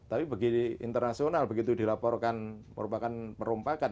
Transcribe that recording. tapi bagi internasional begitu dilaporkan perompakan perompakan